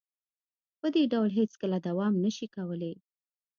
په دې ډول هیڅکله دوام نشي کولې